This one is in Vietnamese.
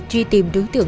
truy tìm đối tượng